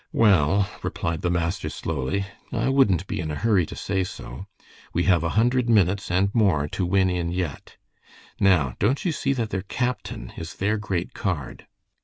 "Well," replied the master, slowly, "I wouldn't be in a hurry to say so. We have a hundred minutes and more to win in yet. Now, don't you see that their captain is their great card.